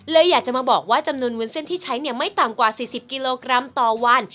อยากจะมาบอกว่าจำนวนวุ้นเส้นที่ใช้ไม่ต่ำกว่า๔๐กิโลกรัมต่อวัน